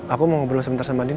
aku mau ngobrol sebentar sama din